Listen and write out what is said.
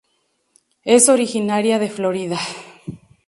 Es originaria de Florida.